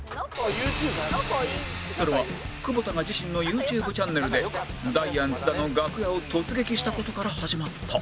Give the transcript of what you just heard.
それは久保田が自身の ＹｏｕＴｕｂｅ チャンネルでダイアン津田の楽屋を突撃した事から始まった